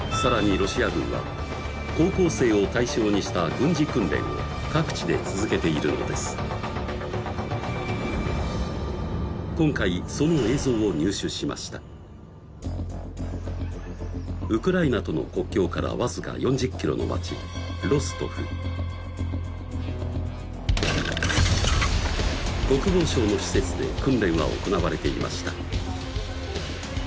ロシア軍は高校生を対象にした軍事訓練を各地で続けているのです今回その映像を入手しましたウクライナとの国境からわずか４０ｋｍの町ロストフ国防省の施設で訓練は行われていました